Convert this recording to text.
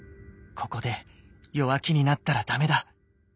ここで弱気になったら駄目だ。